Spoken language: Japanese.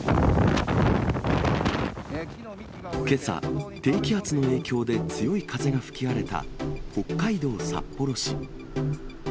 けさ、低気圧の影響で強い風が吹き荒れた北海道札幌市。